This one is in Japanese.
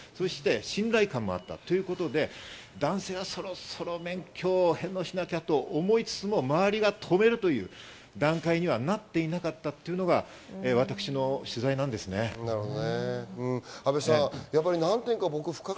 周りから慎重な運転をするという評判がある、信頼感もあったということで、男性がそろそろ免許を返納しなきゃと思いつつも周りが止めるという段階にはなっていなかったというのが、私の取材なんですね。